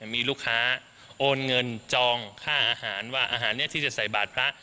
มีลูกค้าโอนเงินจองค่าอาหารว่าอาหารนี้ที่จะใส่บาทพระ